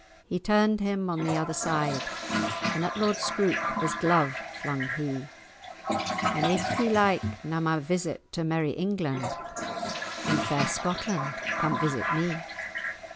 He turn'd him on the other side, And at Lord Scroope his glove flung he— 'If ye like na my visit to merry England, In fair Scotland come visit me!